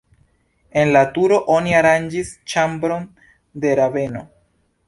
En la turo oni aranĝis ĉambron de rabeno.